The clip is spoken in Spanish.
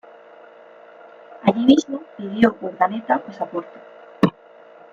Allí mismo pidió Urdaneta pasaporte.